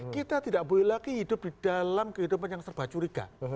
kita tidak boleh lagi hidup di dalam kehidupan yang serba curiga